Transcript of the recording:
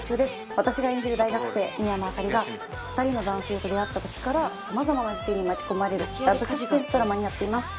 私が演じる大学生深山朱莉が２人の男性と出会った時からさまざまな事件に巻き込まれるラブサスペンスドラマになっています。